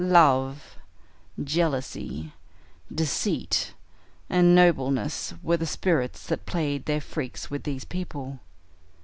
Love, jealousy, deceit, and nobleness were the spirits that played their freaks with these people.